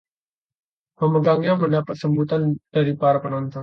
Pemenangnya mendapat sambutan dari para penonton.